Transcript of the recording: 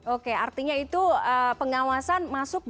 oke artinya itu pengawasan